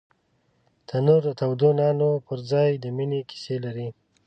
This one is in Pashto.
تنور د تودو نانو پر ځای د مینې کیسې لري